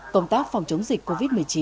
công tác phòng chống dịch covid một mươi chín